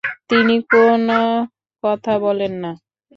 তিনি কোন কথা বলেন না।